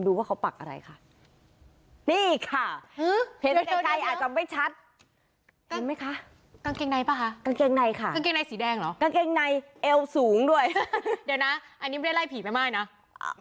เดี๋ยวนะอันนี้ไม่ได้ไล่ผีแม่ไม้นะอ่า